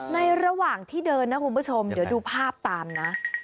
ระหว่างที่เดินนะคุณผู้ชมเดี๋ยวดูภาพตามนะ